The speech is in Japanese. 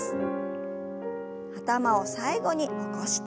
頭を最後に起こして。